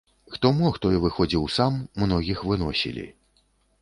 Хто мог, той выходзіў сам, многіх выносілі.